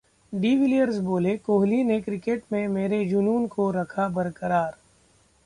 de Villiers बोले- कोहली ने cricket में मेरे जुनून को रखा बरकरार